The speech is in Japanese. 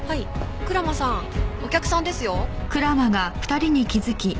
蔵間さんお客さんですよ。